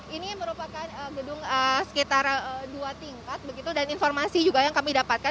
ini merupakan gedung sekitar dua tingkat begitu dan informasi juga yang kami dapatkan